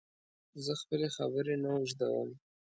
زه خپلي خبري نه اوږدوم